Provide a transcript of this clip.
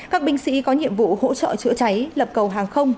các binh sĩ có nhiệm vụ hỗ trợ chữa cháy lập cầu hàng không